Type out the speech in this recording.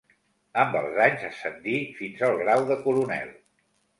Amb els anys ascendí fins al grau de coronel.